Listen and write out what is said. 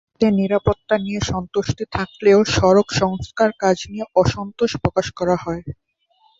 এতে নিরাপত্তা নিয়ে সন্তুষ্টি থাকলেও সড়ক সংস্কারকাজ নিয়ে অসন্তোষ প্রকাশ করা হয়।